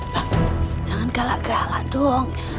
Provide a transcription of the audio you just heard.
tapi jangan galak galak dong